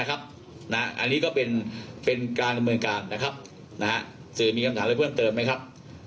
อันนี้ก็เป็นการดำเนินการนะครับสื่อมีคำถามอะไรเพิ่มเติมไหมครับ